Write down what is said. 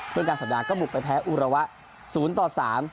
ด้วยการสำานาคบุคเป็นแพ้อุระวะ๐๓